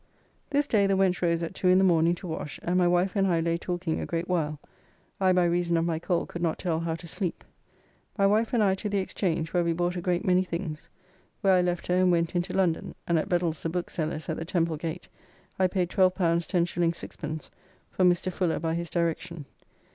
This day the wench rose at two in the morning to wash, and my wife and I lay talking a great while. I by reason of my cold could not tell how to sleep. My wife and I to the Exchange, where we bought a great many things, where I left her and went into London, and at Bedells the bookseller's at the Temple gate I paid L12 10s. 6d. for Mr. Fuller by his direction.